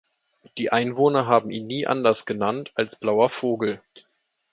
Die Einwohner haben ihn nie anders genannt als blauer Vogel.